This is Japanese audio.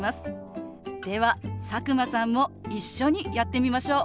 では佐久間さんも一緒にやってみましょう。